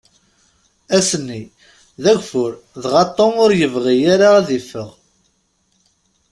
Ass-nni, d agfur, dɣa Tom ur yebɣi ara ad yeffeɣ.